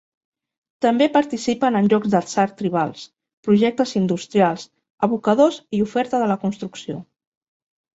També participen en jocs d'atzar tribals, projectes industrials, abocadors i oferta de la construcció.